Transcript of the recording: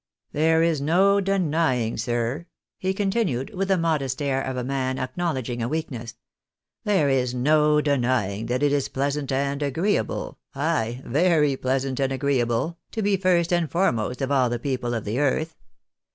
" There is no denying, sir," he continued, with the modest air of a man acknowledging a weakness, " there is no denying that it is pleasant and agreeable, ay, very pleasant and agreeable, to be first and foremost of all the people of the earth.